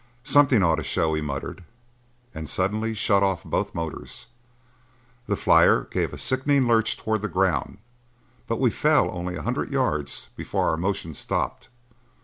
"Something ought to show," he muttered, and suddenly shut off both motors. The flyer gave a sickening lurch toward the ground, but we fell only a hundred yards before our motion stopped.